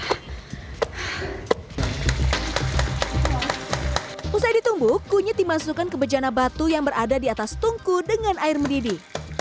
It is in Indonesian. setelah ditumbuk kunyit dimasukkan ke bejana batu yang berada di atas tungku dengan air mendidih